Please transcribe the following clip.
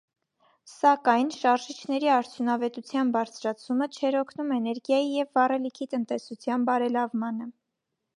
Սակայն, շարժիչների արդյունավետության բարձրացումը, չէր օգնում էներգիայի և վառելիքի տնետեսության բարելավմանը։